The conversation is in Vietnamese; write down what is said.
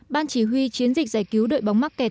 ban chỉ huy chiến dịch giải cứu đội bóng mắc kẹt